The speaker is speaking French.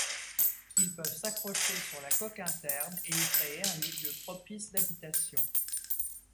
Ils peuvent s'accrocher sur la coque interne et y créer un milieu propice d'habitation.